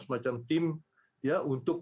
semacam tim untuk